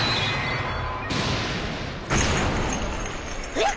えっ？